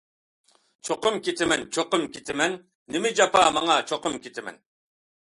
چوقۇم، كېتىمەن، چوقۇم كېتىمەن نېمە جاپا ماڭا، چوقۇم كېتىمەن.